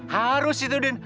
harus itu din